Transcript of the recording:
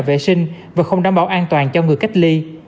vệ sinh và không đảm bảo an toàn cho người cách ly